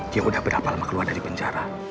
dia udah berapa lama keluar dari penjara